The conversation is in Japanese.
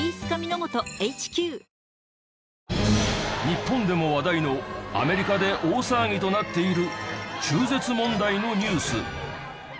日本でも話題のアメリカで大騒ぎとなっている中絶問題のニュース。